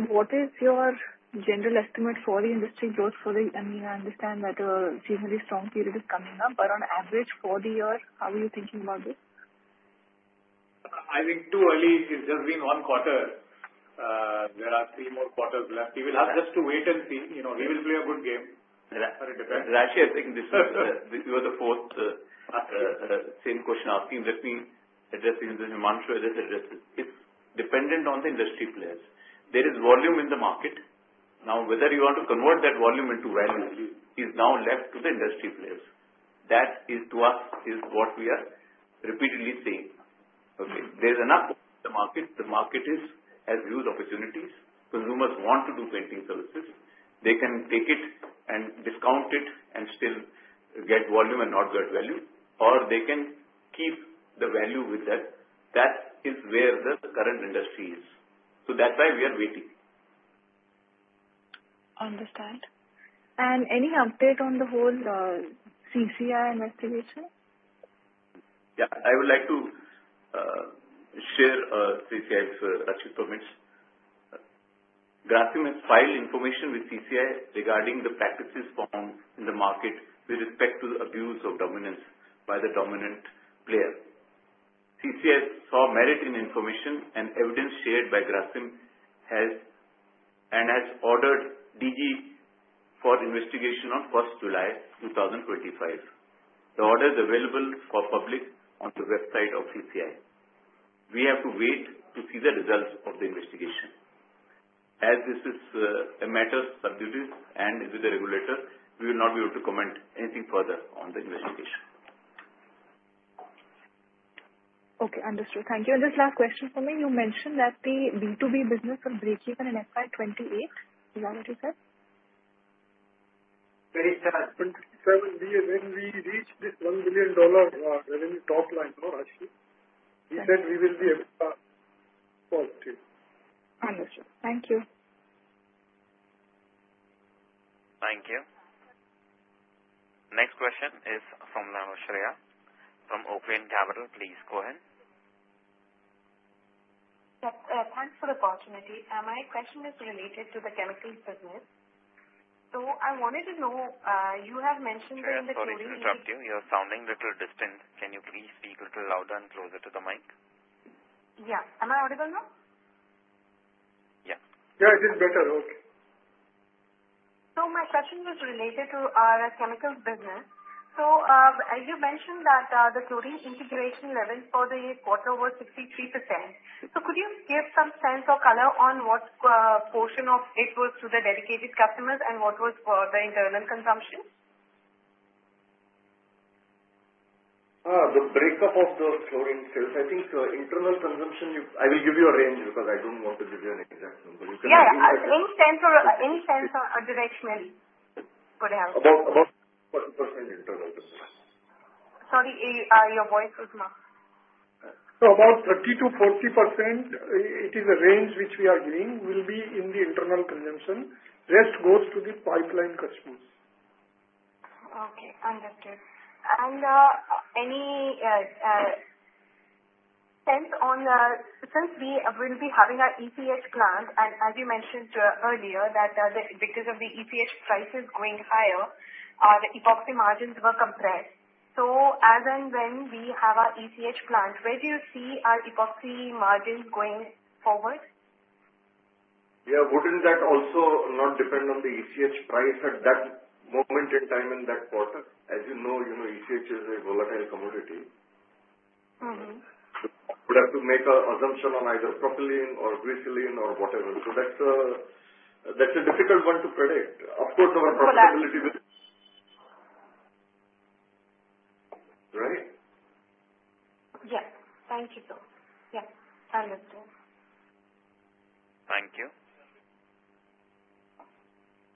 What is your general estimate for the industry growth for the, I mean, I understand that a generally strong period is coming up, but on average for the year, how are you thinking about it? I think it's too early. It's just been one quarter. There are three more quarters left. We will have to just wait and see. You know, we will play a good game. That's what it depends. Rashi, I think this is the fourth same question asking. Let me address it. Himanshu, I just addressed it. It's dependent on the industry players. There is volume in the market. Now, whether you want to convert that volume into value, it is now left to the industry players. That is to us what we are repeatedly saying. Okay. There's enough in the market. The market has views, opportunities. Consumers want to do painting services. They can take it and discount it and still get volume and not get value, or they can keep the value with them. That is where the current industry is. That is why we are waiting. Is there any update on the whole CCI investigation? Yeah. I would like to share CCI's achievements. Grasim has filed information with CCI regarding the practices found in the market with respect to the abuse of dominance by the dominant player. CCI saw merit in information and evidence shared by Grasim and has ordered DG for investigation on 1st July, 2025. The order is available for public on the website of CCI. We have to wait to see the results of the investigation. As this is a matter of sub judice and with the regulator, we will not be able to comment anything further on the investigation. Okay. Understood. Thank you. Just last question for me. You mentioned that the B2B business was breaking in FY 2028. Is that what you said? Very sad. When we reach this $1 billion mark, we will be at fault. Understood. Thank you. Thank you. Next question is from Shreya from Oaklane Capital. Please go ahead. Yes. Thanks for the opportunity. My question is related to the chemical business. I wanted to know, you have mentioned that. Sorry to interrupt you. You're sounding a little distant. Can you please speak a little louder and closer to the mic? Yeah, am I audible now? Yeah. Yeah, it is better. Okay. My question is related to the chemical business. You mentioned that the chlorine integration levels for the quarter were 63%. Could you give some sense or color on what portion of it was to the dedicated customers and what was for the internal consumption? The breakup of the chlorine sales, I think the internal consumption, I will give you a range because I don't want to give you an exact number. A range stands for any sense or directionally could help. About 40% internal consumption. Sorry, your voice was muffled. About 30%-40%, it is a range which we are giving, will be in the internal consumption. The rest goes to the pipeline customers. Okay. Understood. Any sense on the, since we will be having our ECH plant, and as you mentioned earlier, that because of the ECH prices going higher, the epoxy margins were compressed, as and when we have our ECH plant, where do you see our epoxy margins going forward? Wouldn't that also not depend on the ECH price at that moment in time in that quarter? As you know, ECH is a volatile commodity. We have to make an assumption on either propylene or glycine or whatever. That's a difficult one to predict. Of course, our profitability with. Thank you, sir. Yeah, I understand. Thank you.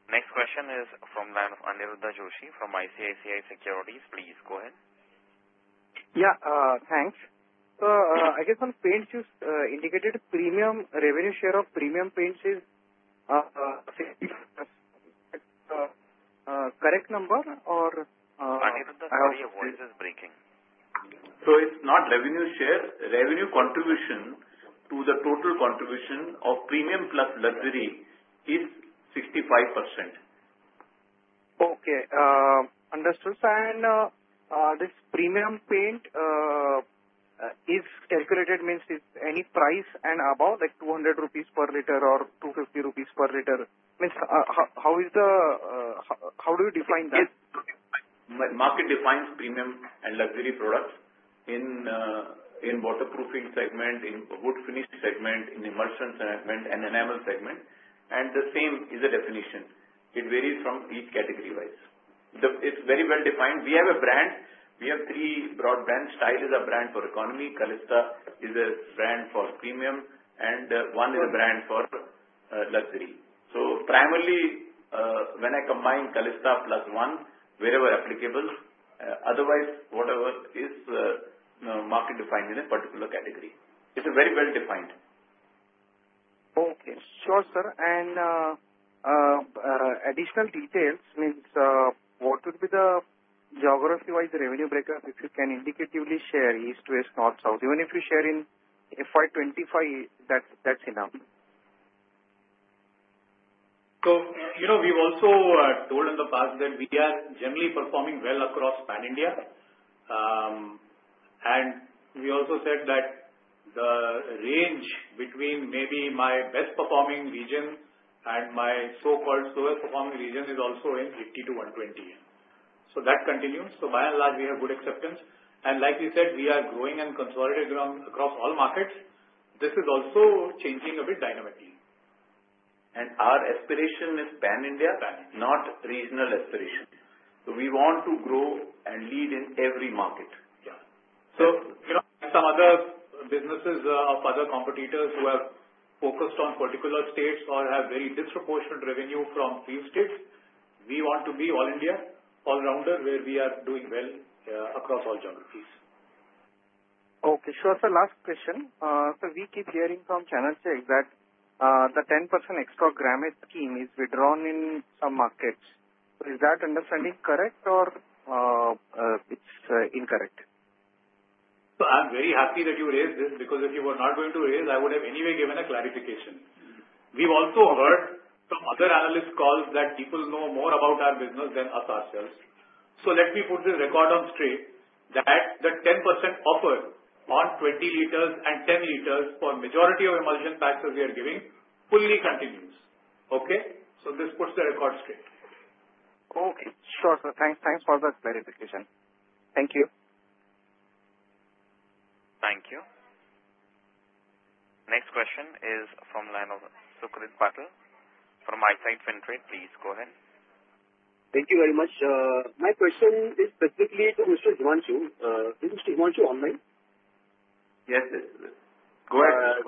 Next question is from the line of Anirudha Joshi from ICICI Securities. Please go ahead. Thanks. I guess on paint, you indicated a premium revenue share of premium paint is 65%. Correct number or? Aniruddha, your voice is breaking. It's not revenue share. Revenue contribution to the total contribution of premium plus luxury is 65%. Okay. Understood. This premium paint is calculated, means if any price and above, like INR 200 per liter or INR 250 per liter, means how is the how do you define that? Market defines premium and luxury products in waterproofing segment, in wood finish segment, in emulsion segment, and enamel segment. The same is the definition. It varies from each category-wise. It's very well defined. We have a brand. We have three broad brands. Tide is a brand for economy. Calista is a brand for premium. One is a brand for luxury. Primarily, when I combine Calista plus One, wherever applicable. Otherwise, whatever is market defined in a particular category. It's very well defined. Okay. Sure, sir. Additional details, means what would be the geography-wise revenue breakup? If you can indicatively share east to west, north to south, even if you share in FY 2025, that's enough. We have also told in the past that we are generally performing well across Pan India. We also said that the range between maybe my best-performing region and my so-called slowest-performing region is also in 50 to 120. That continues. By and large, we have good acceptance. Like you said, we are growing and consolidating across all markets. This is also changing a bit dynamically. Our aspiration is Pan India, not regional aspiration. We want to grow and lead in every market. Some other businesses of other competitors have focused on particular states or have very disproportionate revenue from three states. We want to be all India, all-rounder, where we are doing well across all geographies. Okay. Sure. Last question. We keep hearing from Channel checks that the 10% extra grammage scheme is withdrawn in a market. Is that understanding correct or it's incorrect? I'm very happy that you raised this because if you were not going to raise, I would have anyway given a clarification. We've also heard from other analysts' calls that people know more about our business than us ourselves. Let me put this record straight that the 10% offer on 20 liters and 10 liters for a majority of emulsion packs that we are giving fully continues. This puts the record straight. Okay. Sure. Thanks. Thanks for that clarification. Thank you. Thank you. Next question is from the line of Sucrit Patil from Eyesight FinTrade. Please go ahead. Thank you very much. My question is specifically to Mr. Himanshu. Is Mr. Himanshu online? Yes, sir. Go ahead.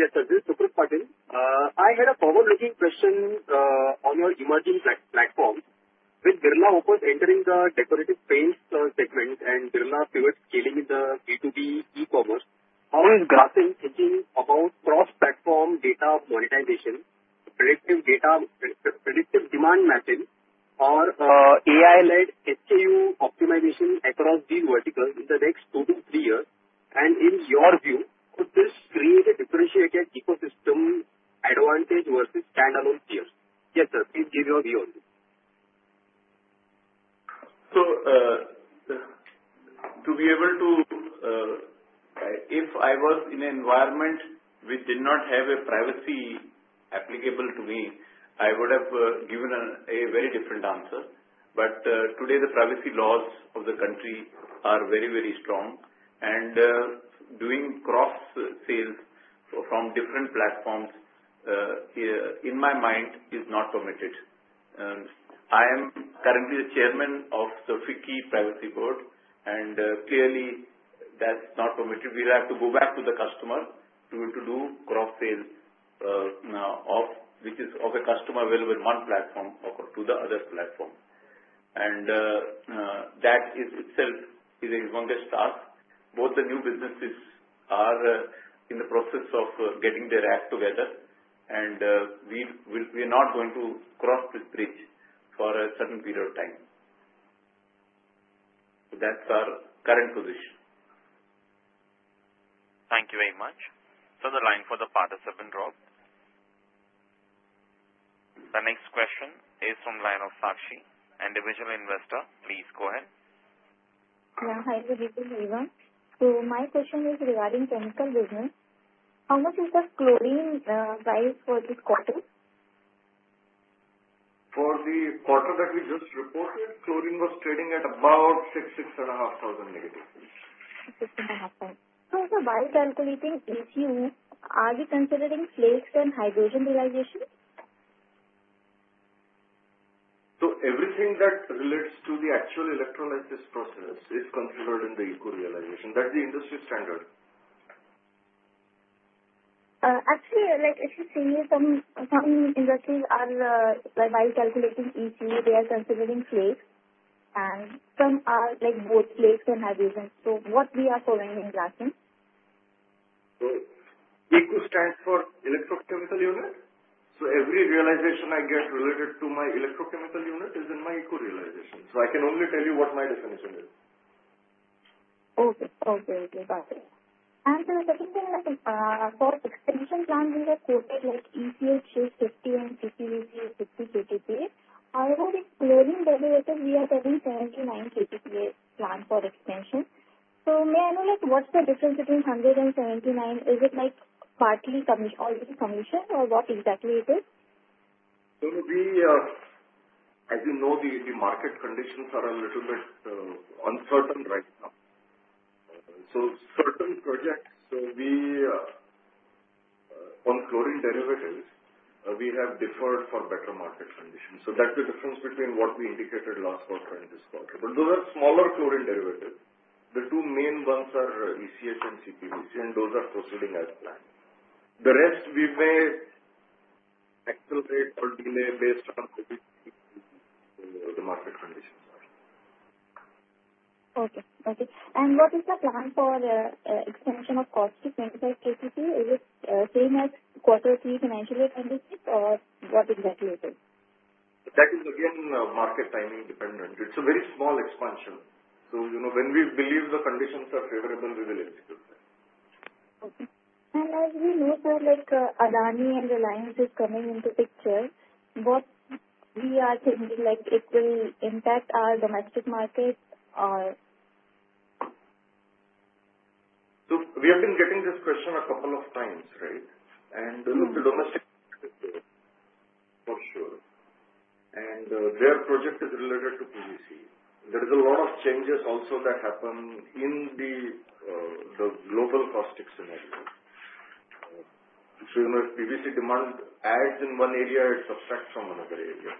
Yes, sir. This is Sucrit Patil. I had a forward-looking question on your emerging trends. Specifically, the B2B e-commerce, how is Grasim thinking about cross-platform data monetization, predictive data demand mapping, or AI-led SKU optimization across the vertical in the next two to three years? In your view, does this create a differentiated ecosystem advantage versus standalone tier? That's a thing in your view on this. To be able to, if I was in an environment which did not have a privacy applicable to me, I would have given a very different answer. Today, the privacy laws of the country are very, very strong. Doing cross-sales from different platforms in my mind is not permitted. I am currently the Chairman of FICCI Privacy Board, and clearly, that's not permitted. We have to go back to the customer to do cross-sale of which is of a customer available in one platform to the other platform. That in itself is a one-way start. Both the new businesses are in the process of getting their act together, and we are not going to cross this bridge for a certain period of time. That's our current position. Thank you very much. The line for the participant dropped. The next question is from the line of Sakshi, individual investor. Please go ahead. Hi, good evening, everyone. My question is regarding chemical business. How much is the chlorine price for this quarter? For the quarter that we just reported, chlorine was trading at about INR 6,000 to -INR 6,500. While calculating ECU, are we considering flakes and hydrogen realization? Everything that relates to the actual electrolysis process is considered in the ECU realization. That's the industry standard. Actually, if you see some industry are calculating ECU, they are considering flakes, and some are like both flakes and hydrogen. What are we following in Grasim? ECU stands for electrochemical unit. Every realization I get related to my electrochemical unit is in my ECU realization. I can only tell you what my definition is. And for the extension plan, we reported like ECH is 50 and CPV is 50 KTPA, however, with chlorine derivative, we are getting 79 KTPA plan for expansion. May I know what's the difference between 100 and 79? Is it like partly already commissioned or what exactly is it? As you know, the market conditions are a little bit uncertain right now. Certain projects on chlorine derivatives have been deferred for better market conditions. That is the difference between what we indicated last quarter and this quarter. Those are smaller chlorine derivatives. The two main ones are ECH and CPVC, and those are proceeding as planned. The rest, we may accelerate or delay based on the market conditions. Okay. Okay. What is the plan for the extension of caustic to 25 KTPA? Is it same as quarter three financial year 2026 or what exactly is it? That is, again, market timing dependent. It's a very small expansion. When we believe the conditions are favorable, we will execute that. As we know, like Adani and the Reliance is coming into the picture, what we are thinking like it will impact our domestic market? We have been getting this question a couple of times. Their project is related to PVC. There are a lot of changes also that happen in the global caustic scenario. If PVC demand adds in one area, it subsides from another area.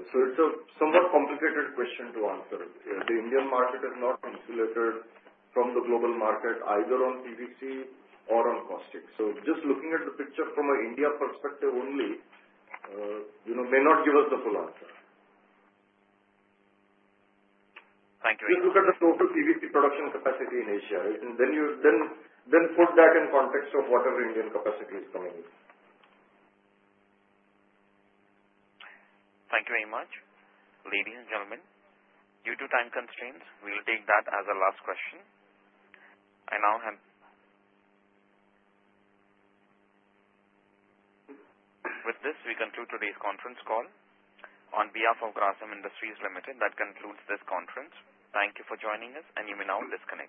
It's a somewhat complicated question to answer. The Indian market is not insulated from the global market either on PVC or on caustic. Just looking at the picture from an India perspective only may not give us the full answer. Thank you. If you can just go to PVC production capacity in Asia, and then you put that in context of whatever Indian capacity is coming. Thank you very much. Ladies and gentlemen, due to time constraints, we will take that as the last question. With this, we conclude today's conference call. On behalf of Grasim Industries Limited, that concludes this conference. Thank you for joining us, and you may now disconnect.